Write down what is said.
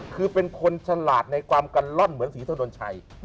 คือเป็นคนฉลาดในความกันล่อนเหมือนศรีถนนชัย